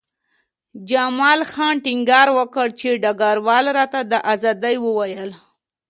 جمال خان ټینګار وکړ چې ډګروال راته د ازادۍ وویل